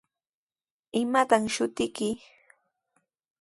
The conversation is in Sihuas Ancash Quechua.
¿Imataq shutiyki?